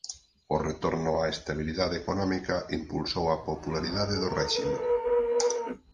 O retorno á estabilidade económica impulsou a popularidade do réxime.